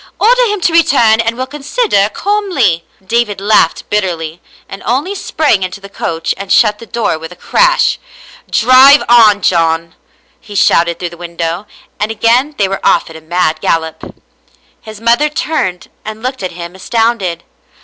Order him to return and we'll consider calmly." David laughed bitterly, and only sprang into the coach and shut the door with a crash. " Drive on, John," he shouted through the window, and again they were off at a mad gallop. His mother turned and looked at him astounded.